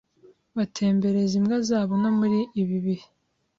batembereza imbwa zabo no muri ibi bihe